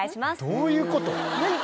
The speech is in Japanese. どういうこと？